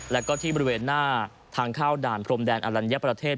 แล้วก็ที่บริเวณหน้าทางเข้าด่านพรมแดนอลัญญประเทศ